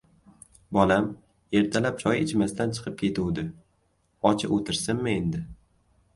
— Bolam ertalab choy ichmasdan chiqib ketuvdi. Och o‘tirsinmi endi?